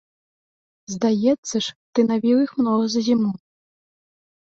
Здаецца ж, ты навіў іх многа за зіму!